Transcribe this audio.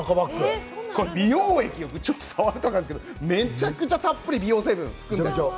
美容液、ちょっと触ったら分かるんですけどめちゃくちゃたっぷり美容成分を含んでいます。